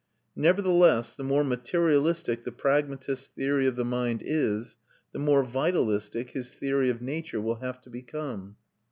Nevertheless, the more materialistic the pragmatist's theory of the mind is, the more vitalistic his theory of nature will have to become.